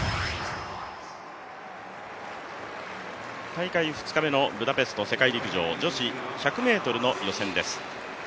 大会２日目のブダペスト世界陸上、女子１００ｍの予選です。